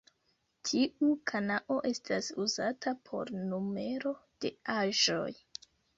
Tiu kanao estas uzata por numero de aĵoj.